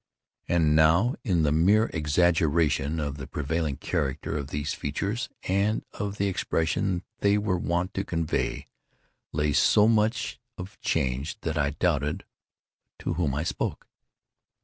And now in the mere exaggeration of the prevailing character of these features, and of the expression they were wont to convey, lay so much of change that I doubted to whom I spoke.